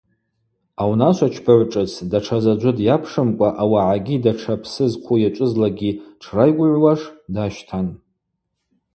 Аунашвачпагӏв шӏыц датша заджвы дйапшымкӏва ауагӏагьи датша псы зхъу йачӏвызлакӏгьи дшрайгвыгӏвуаш дащтан.